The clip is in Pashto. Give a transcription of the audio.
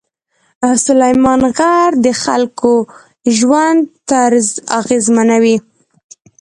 سلیمان غر د خلکو ژوند طرز اغېزمنوي.